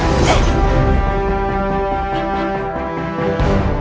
kau akan mengetahuinya